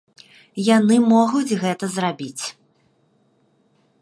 Яны могуць гэта зрабіць.